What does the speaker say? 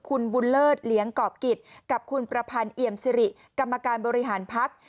คุณบุญเลิศเหลียงกรอบกิจกับคุณประพันธ์เอี่ยมสิริกรรมการบริหารพัก